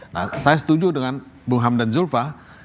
nah saya setuju dengan bung hamdan zulfa